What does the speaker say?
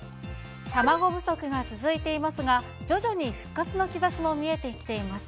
卵不足が続いていますが、徐々に復活の兆しも見えてきています。